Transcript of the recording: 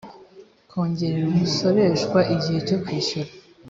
kongerera umusoreshwa igihe cyo kwishyura